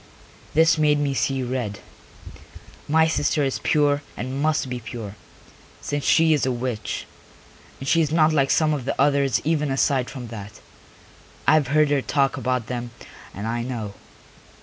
This made me see red; my sister is pure and must be pure, since she is a witch. And she is not like some of the others even aside from that. I have heard her talk about them and I know.